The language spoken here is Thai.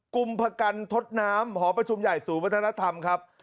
กุมภาพันธ์ทดน้ำหอประชุมใหญ่ศูนย์วัฒนธรรมครับ